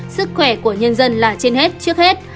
sức khỏe của nhân dân là trên hết trước hết